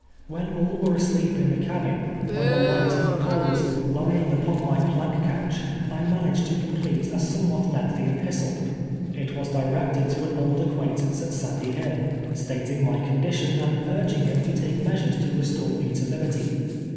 "When all were asleep in the cabin, l>y the light of the coals, lying npon my plank couch, I managed to complete a somewhat lengthy epistle. It was di rected to an old acquaintance at Sandy Hill, stating my condition, and urging him to take measures to re store me to liberty.